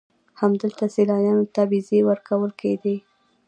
همدلته سیلانیانو ته ویزې ورکول کېدې.